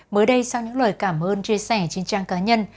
mới đây sau những lời cảm ơn chia sẻ trên trang cá nhân